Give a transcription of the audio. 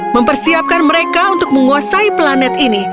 mempersiapkan mereka untuk menguasai planet ini